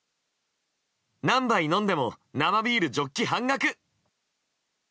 何倍飲んでも生ビールジョッキ半額。